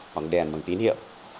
bằng đèn bằng tín hiệu